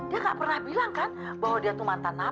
dia nggak pernah bilang kan bahwa dia mau mencari rino